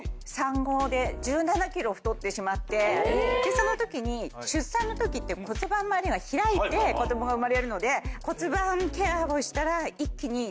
その時に出産の時って骨盤まわりが開いて子供が生まれるので。